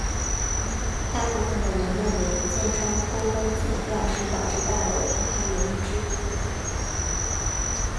大部分的人认为建商偷工减料是导致大楼坍塌原因之一。